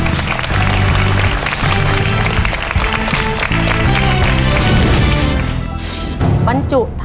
มันจุธานใส่ถุงจำนวน๖ถุง